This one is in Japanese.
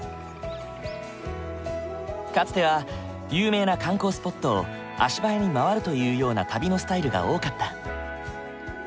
かつては有名な観光スポットを足早に回るというような旅のスタイルが多かった。